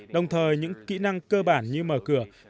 đồng thời những kỹ năng cơ bản như mở cửa